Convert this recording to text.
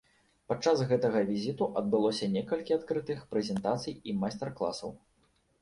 Падчас гэтага візіту адбылося некалькі адкрытых прэзентацый і майстар-класаў.